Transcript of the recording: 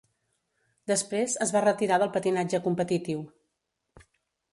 Després es va retirar del patinatge competitiu.